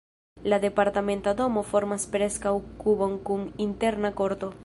La departementa domo formas preskaŭ kubon kun interna korto.